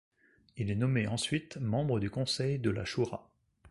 Il est nommé ensuite membre du Conseil de la Choura.